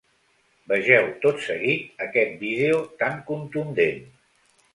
Vegeu tot seguit aquest vídeo tan contundent.